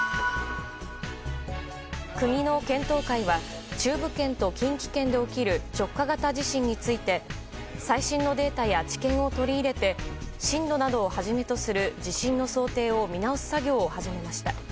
国の検討会は中部圏と近畿圏で起きる直下型地震について最新のデータや知見を取り入れて震度などをはじめとする地震の想定を見直す作業を始めました。